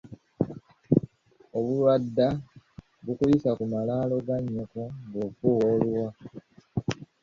Obulwadda, bukuyisa ku malaalo ga nnyoko ng’ofuuwa oluwa.